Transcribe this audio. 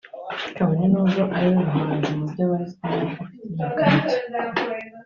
kabone n’ubwo ari we muhanzi mu bayibarizwamo ufite imyaka mike